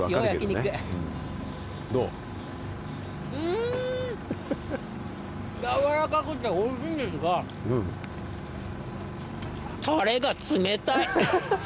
やわらかくておいしいんですが、タレが冷たい。